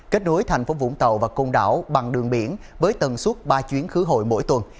kết nối thành phố vũng tàu và công đảo bằng đường biển với tầng suốt ba chuyến khứ hội mỗi tuần